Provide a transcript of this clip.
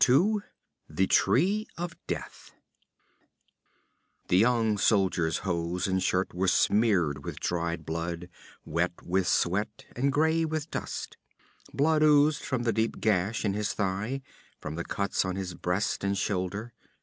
2 The Tree of Death The young soldier's hose and shirt were smeared with dried blood, wet with sweat and gray with dust. Blood oozed from the deep gash in his thigh, from the cuts on his breast and shoulder.